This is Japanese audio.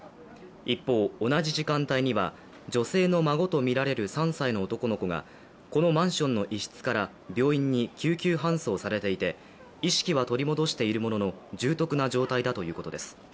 一方、同じ時間帯には女性の孫とみられる３歳の男の子がこのマンションの一室から病院に救急搬送されていて意識は取り戻しているものの重篤な状態だということです。